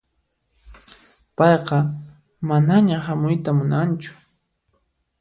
Payqa manaña hamuyta munanchu.